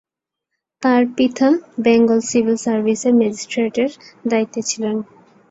তার পিতা বেঙ্গল সিভিল সার্ভিসের ম্যাজিস্ট্রেটের দায়িত্বে ছিলেন।